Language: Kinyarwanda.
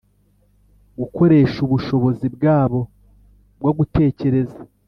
gukoresha ubushobozi bwabo bwo gutekereza